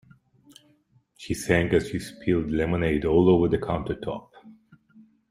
She sang as she spilled lemonade all over the countertop.